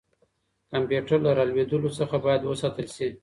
کمپيوټر له رالوېدلو څخه بايد وساتل سي.